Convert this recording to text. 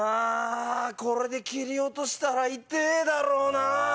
これで切り落としたら痛ぇだろうなぁ。